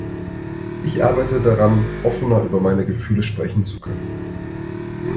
Ich arbeite daran, offener über meine Gefühle sprechen zu können.